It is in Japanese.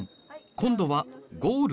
今度はゴール